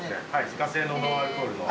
自家製のノンアルコールの。